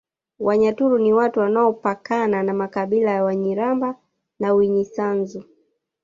Wanyaturu ni watu wanaopakana na makabila ya Wanyiramba na Winyisanzu